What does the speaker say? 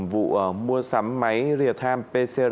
vụ mua sắm máy rear time pc